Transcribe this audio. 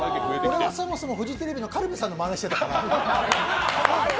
これはそもそも、フジテレビの軽部さんのまねしてたから。